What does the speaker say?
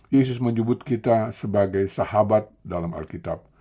yesus menyebut kita sebagai sahabat dalam alkitab